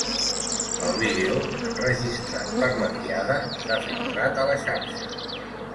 El vídeo, enregistrat per la Diada, s’ha filtrat a la xarxa.